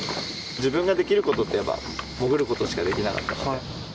自分ができることといえば、潜ることしかできなかったので。